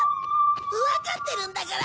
わかってるんだから！